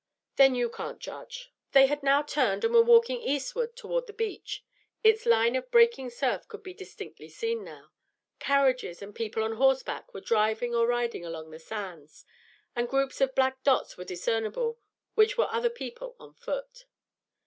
"Then you can't judge." They had now turned, and were walking eastward toward the beach. Its line of breaking surf could be distinctly seen now. Carriages and people on horseback were driving or riding along the sands, and groups of black dots were discernible, which were other people on foot.